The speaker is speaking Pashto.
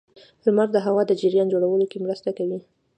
• لمر د هوا د جریان جوړولو کې مرسته کوي.